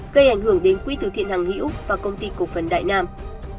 gây ảnh hưởng đến quỹ thứ thiện hằng hĩ úc và công ty cộng phần đại nam